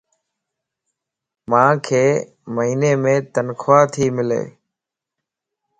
مانک مھينيم تنخواه تي ملَ